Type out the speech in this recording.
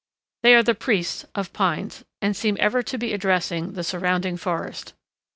They are the priests of pines, and seem ever to be addressing the surrounding forest.